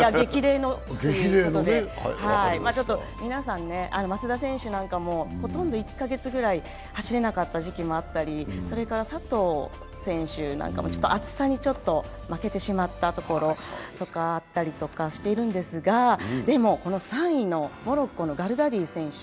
皆さん、松田選手なんかもほとんど１か月くらい走れなかった時期もあったり、それから佐藤選手も暑さに負けてしまったところがあったりしているんですがでも、この３位のモロッコのガルダディ選手。